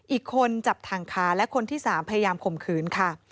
อีกคนจับถังขาและคนที่๓พยายามข่มขืนค่ะ